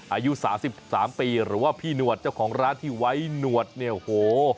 อายุ๓๓ปีหรือว่าพี่หนวดเจ้าของร้านที่ไว้หนวดเนี่ยโอ้โห